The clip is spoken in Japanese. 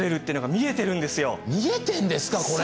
見えてんですかこれ。